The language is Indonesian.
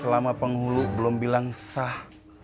selama penghulu belum bilang sah